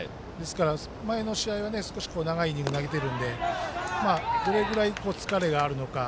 前の試合は少し長いイニング投げてるのでどれぐらい疲れがあるのか。